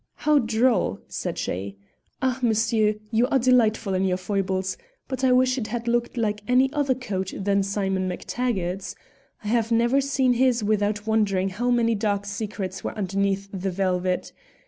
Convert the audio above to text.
"How droll!" said she. "Ah, monsieur, you are delightful in your foibles, but I wish it had looked like any other coat than Simon Mac Taggart's. I have never seen his without wondering how many dark secrets were underneath the velvet.